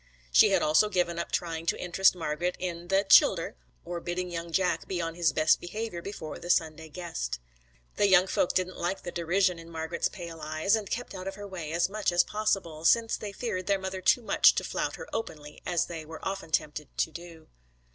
She had also given up trying to interest Margret in 'the childher,' or bidding young Jack be on his best behaviour before the Sunday guest. The young folk didn't like the derision in Margret's pale eyes, and kept out of her way as much as possible, since they feared their mother too much to flout her openly, as they were often tempted to do.